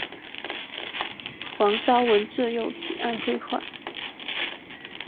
王朝闻自幼喜爱绘画。